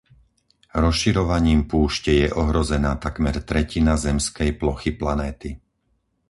Rozširovaním púšte je ohrozená takmer tretina zemskej plochy planéty.